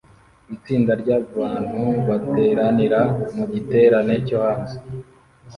Itsinda ryabantu bateranira mu giterane cyo hanze